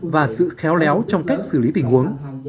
và sự khéo léo trong cách xử lý tình huống